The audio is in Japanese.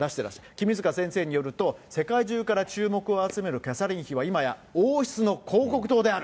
君塚先生によると、世界中から注目を集めるキャサリン妃は、いまや王室の広告塔である。